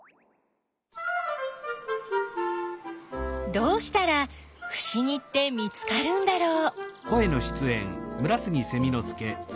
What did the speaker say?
どうしたらふしぎって見つかるんだろう？